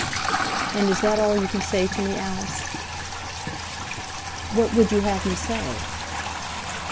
"And is that all you can say to me, Alice?" "What would you have me say?"